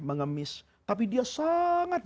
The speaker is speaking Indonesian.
mengemis tapi dia sangat